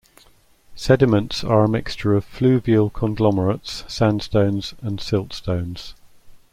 Sediments are a mixture of fluvial conglomerates, sandstones, and siltstones.